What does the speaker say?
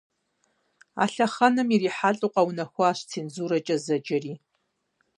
А лъэхъэнэм ирихьэлӏэу къэунэхуащ цензурэкӏэ зэджэри.